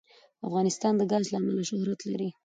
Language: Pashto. افغانستان د ګاز له امله شهرت لري.